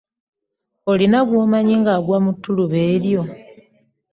Olina gw'omanyi ng'agwa mu ttuluba eryo?